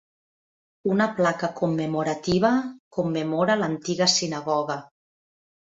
Una placa commemorativa commemora l'antiga sinagoga.